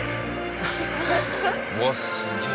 うわっすげえ。